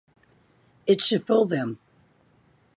It should fool them.